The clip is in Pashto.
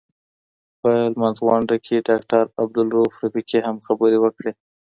په لمانځغونډه کي داکټر عبدالروف رفیقي هم خبري وکړې.